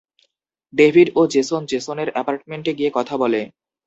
David ও Jason জেসনের অ্যাপার্টমেন্টে গিয়ে কথা বলে।